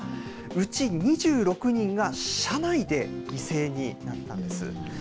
うち２６人が車内で犠牲になったんです。